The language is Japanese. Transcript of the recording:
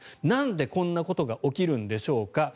なんでこんなことが起きるんでしょうか。